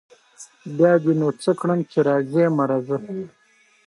ولس د پوهانو او فیلسوفانو کتابونه نه دي لوستي